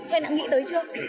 hèn đã nghĩ tới chưa